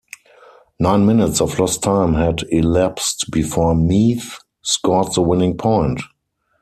Nine minutes of lost time had elapsed before Meath scored the winning point!